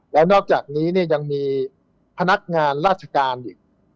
แล้วนอกจากนี้เนี่ยยังมีพนักงานราชการอีก